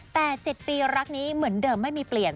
แต่๗ปีรักนี้เหมือนเดิมไม่มีเปลี่ยน